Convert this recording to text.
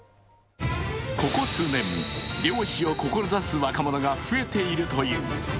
ここ数年、漁師を志す若者が増えているという。